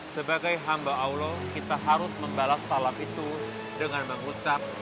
sebagai hamba allah kita harus membalas salam itu dengan mengucapkan